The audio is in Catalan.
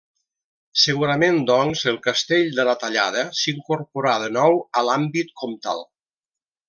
Segurament, doncs, el castell de la Tallada s'incorporà, de nou, a l'àmbit comtal.